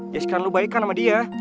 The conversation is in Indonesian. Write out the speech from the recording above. ya sekarang lo baikan sama dia